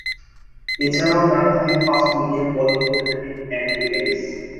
এছাড়াও ডানহাতে fast medium bowling করে থাকেন অ্যান্ড্রু এলিস।